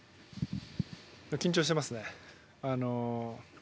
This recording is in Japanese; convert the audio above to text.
緊張していますね。